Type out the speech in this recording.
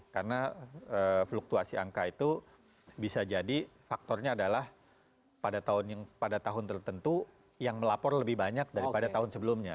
karena fluktuasi angka itu bisa jadi faktornya adalah pada tahun tertentu yang melapor lebih banyak daripada tahun sebelumnya